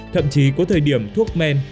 thậm chí có thời điểm thuốc men